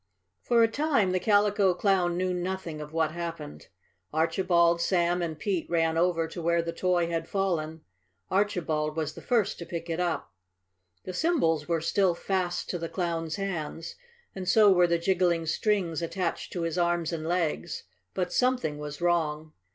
For a time the Calico Clown knew nothing of what happened. Archibald, Sam and Pete ran over to where the toy had fallen. Archibald was the first to pick it up. The cymbals were still fast to the Clown's hands, and so were the jiggling strings attached to his arms and legs. But something was wrong.